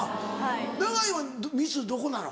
永井はミスどこなの？